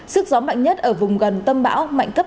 sức gió mạnh nhất ở vùng gần tâm bão mạnh cấp năm